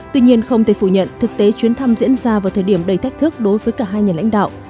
tuy nhiên không thể phủ nhận thực tế chuyến thăm diễn ra vào thời điểm đầy thách thức đối với cả hai nhà lãnh đạo